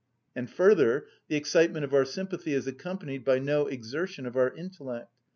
And further, the excitement of our sympathy is accompanied by no exertion of our intellect.